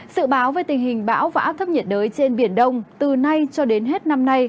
sự báo về tình hình bão và áp thấp nhiệt đới trên biển đông từ nay cho đến hết năm nay